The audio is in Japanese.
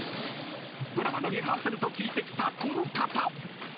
［ドラマのリハーサルと聞いて来たこの方］